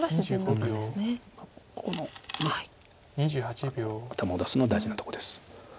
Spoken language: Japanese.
ここの頭を出すのは大事なとこです。